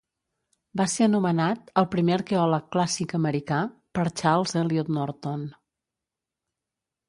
Va ser anomenat "el primer arqueòleg clàssic americà" per Charles Eliot Norton.